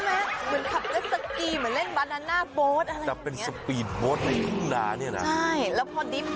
เหมือนขับเล่นสกีเหมือนเล่นบานานะบ๊อตอะไรอย่างนี้ใช่แล้วพอดิบ๊าบ